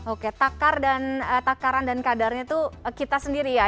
oke takaran dan kadarnya itu kita sendiri ya